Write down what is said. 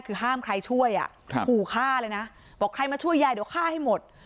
คือห้ามใครช่วยอ่ะขู่ฆ่าเลยนะบอกใครมาช่วยยายเดี๋ยวฆ่าให้หมด